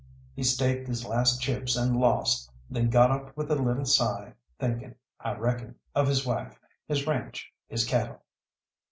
He staked his last chips and lost, then got up with a little sigh, thinking, I reckon, of his wife, his ranche, his cattle.